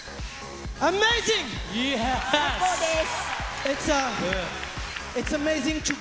最高です。